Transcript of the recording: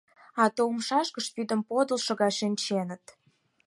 А то умшашкышт вӱдым подылшо гай шинченыт.